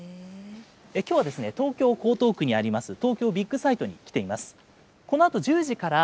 きょうは東京・江東区にあります、東京ビッグサイトに来ています。